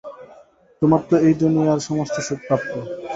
তোমার তো এই দুনিয়ার সমস্ত সুখ প্রাপ্য।